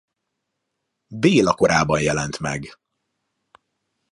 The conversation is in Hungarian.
Béla korában jelent meg.